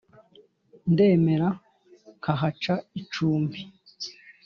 ndemera nkahaca icumbi.